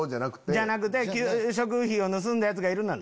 じゃなくて「給食費を盗んだヤツがいるなら。